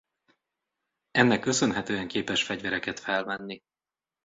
Ennek köszönhetően képes fegyvereket felvenni.